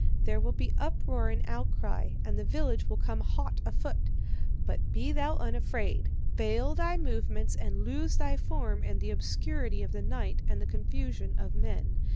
There will be uproar and outcry, and the village will come hot afoot. But be thou unafraid. Veil thy movements and lose thy form in the obscurity of the night and the confusion of men.